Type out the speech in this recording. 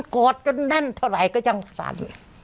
กอดจนแน่นเท่าไหร่ก็ยังสั่น